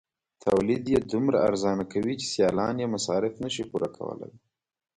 تولید یې دومره ارزانه کوي چې سیالان یې مصارف نشي پوره کولای.